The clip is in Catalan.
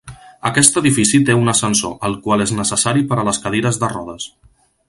Aquest edifici té un ascensor, el qual és necessari per a les cadires de rodes.